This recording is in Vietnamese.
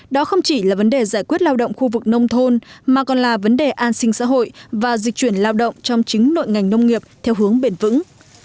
đó không chỉ là vấn đề giải quyết lao động khu vực nông thôn mà còn là vấn đề an sinh xã hội và dịch chuyển lao động trong chính nội ngành nông nghiệp theo hướng bền vững